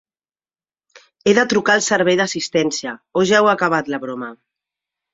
He de trucar al servei d"assistència o ja heu acabat la broma?